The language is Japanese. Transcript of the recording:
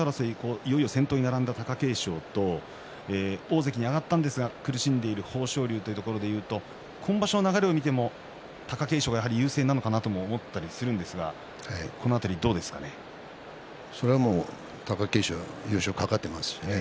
いよいよ先頭に並んだ貴景勝と大関に上がったんですが苦しんでいる豊昇龍というところでいうと今場所の流れを見ても貴景勝はやはり優勢なのかなと思ったりするんですがそれはもう貴景勝は優勝が懸かっていますしね。